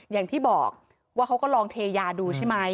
อย่างที่บอกว่าเขาก็ลองเทยาดูใช่ไหม